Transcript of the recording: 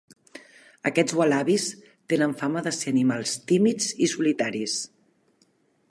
Aquests ualabis tenen fama de ser animals tímids i solitaris.